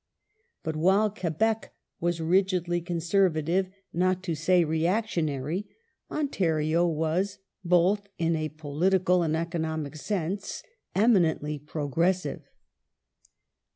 ^ But while Quebec was rigidly Conservative, not to say reactionary, Ontario was, both in a political and economic sense, eminently progressive.